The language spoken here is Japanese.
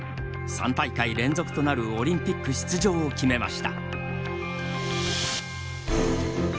３大会連続となるオリンピック出場を決めました。